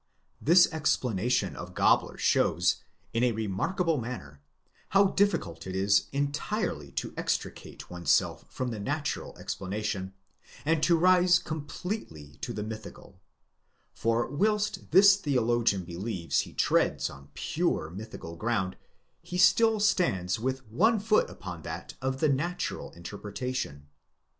4 This explanation of Gabler shows, in a remarkable manner, how difficult it is entirely to extricate oneself from the natural explanation, and to rise com pletely to the mythical; for whilst this theologian believes he treads on pure mythical ground, he still stands with one foot upon that of the natural inter pretation.